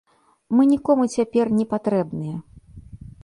Мы нікому цяпер непатрэбныя.